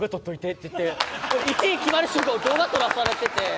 って言って１位決まる瞬間を動画撮らされてて。